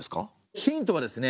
ヒントはですね